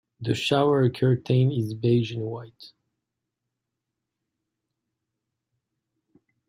The shower curtain is beige and white.